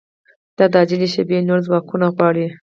دا عاجله شېبه نور ځواکونه غواړي